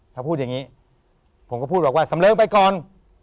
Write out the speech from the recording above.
ถ้าพูดอย่างนี้ผมก็พูดบอกว่าสำเริงไปก่อน